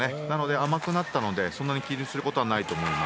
甘くなったのでそんなに気にすることはないと思います。